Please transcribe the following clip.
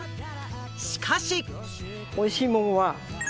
しかし。